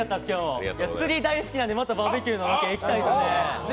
僕釣り、大好きなんでまたバーベキューのロケ、行きたいですね。